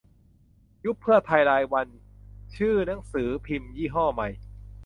"ยุบเพื่อไทย รายวัน" ชื่อหนังสือพิมพ์ยี่ห้อใหม่